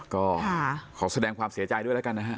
ก็ขอแสดงความเสียใจด้วยแล้วกันนะฮะ